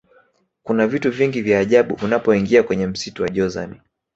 kuna vitu vingi vya ajabu unapoingia kwenye msitu wa jozani